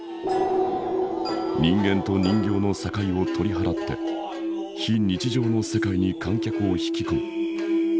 人間と人形の境を取り払って非日常の世界に観客を引き込む。